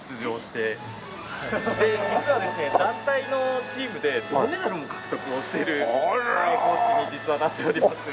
団体のチームで銅メダルの獲得をしているコーチに実はなっております。